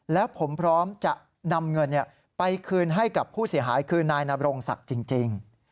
แล้วผมพร้อมจะนำเงินไปคืนให้กับผู้เสียหายคือนายนบรงศักดิ์จริง